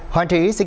kinh tế phương nam